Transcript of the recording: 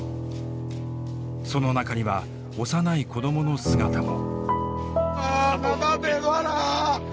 その中には幼い子どもの姿も。